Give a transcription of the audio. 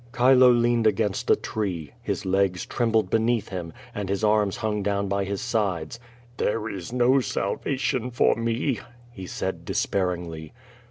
Chilo leaned against a tree. Ilis legs trembled beneath him, and his anus hung down by his sides. There is no salvation for me," he said despairingly.